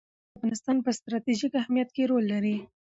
نورستان د افغانستان په ستراتیژیک اهمیت کې رول لري.